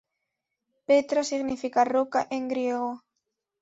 Petra significa "roca" en griego.